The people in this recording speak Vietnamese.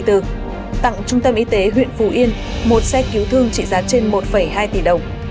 tặng trung tâm y tế huyện phù yên một xe cứu thương trị giá trên một hai tỷ đồng